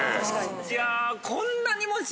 いや。